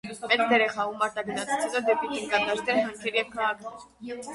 Մեծ դեր է խաղում արտագնացությունը դեպի տնկադաշտեր, հանքեր և քաղաքներ։